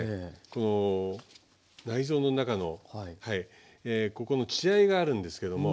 この内臓の中のここの血合いがあるんですけども。